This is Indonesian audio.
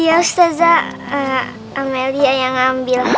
ustazah amelia yang ambil